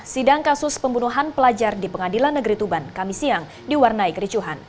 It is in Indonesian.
sidang kasus pembunuhan pelajar di pengadilan negeri tuban kami siang diwarnai kericuhan